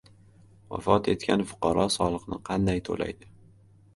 Vafot etgan fuqaro soliqni qanday to‘laydi?